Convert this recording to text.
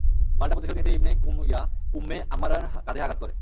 পাল্টা প্রতিশোধ নিতে ইবনে কুময়া উম্মে আম্মারার কাঁধে আঘাত করে।